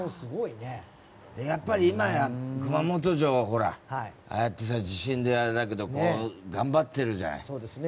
やっぱり今、熊本城ああやってさ、地震があったけど頑張ってるじゃないですか。